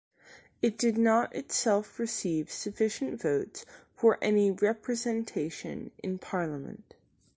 It did not itself receive sufficient votes for any representation in Parliament.